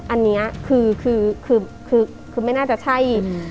อันนี้คือคือไม่น่าจะใช่